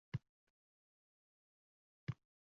Qonunchilik palatasi majlislari – yangicha formatdang